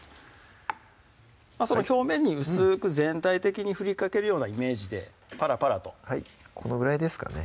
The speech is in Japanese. その表面に薄く全体的に振りかけるようなイメージでパラパラとはいこのぐらいですかね？